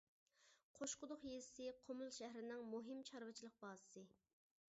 قوشقۇدۇق يېزىسى قۇمۇل شەھىرىنىڭ مۇھىم چارۋىچىلىق بازىسى.